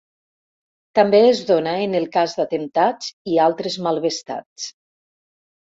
També es dona en el cas d'atemptats i altres malvestats.